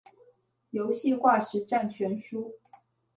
遊戲化實戰全書